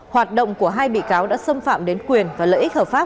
hoạt động của hai bị cáo đã xâm phạm đến quyền và lợi ích hợp pháp